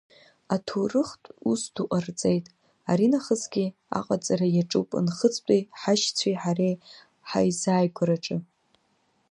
Аҭоурыхтә ус ду ҟарҵеит, аринахысгьы аҟаҵара иаҿуп нхыҵтәи ҳашьцәеи ҳареи ҳаизааигәараҿы.